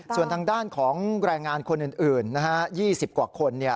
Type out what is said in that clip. ส่วนทางด้านของแรงงานคนอื่น๒๐กว่าคน